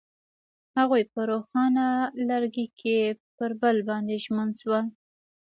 هغوی په روښانه لرګی کې پر بل باندې ژمن شول.